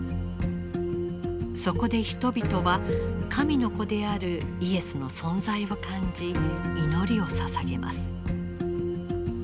そこで人々は神の子であるイエスの存在を感じ祈りをささげます。